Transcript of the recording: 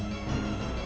pergi ke sana